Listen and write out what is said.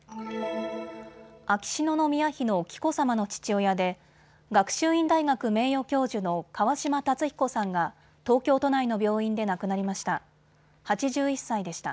秋篠宮妃の紀子さまの父親で学習院大学名誉教授の川嶋辰彦さんが東京都内の病院で亡くなりました。